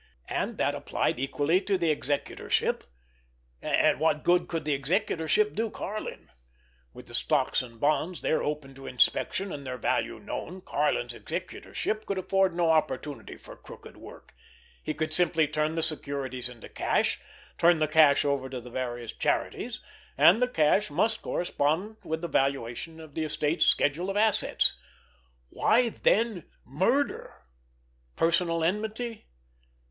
And that applied equally to the executorship. And what good could the executorship do Karlin? With the stocks and bonds there open to inspection and their value known, Karlin's executorship could afford no opportunity for crooked work—he could simply turn the securities into cash, turn the cash over to the various charities, and the cash must correspond with the valuation of the estate's schedule of assets. Why, then—murder? Personal enmity?